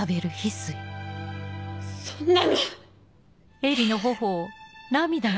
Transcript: そんなの！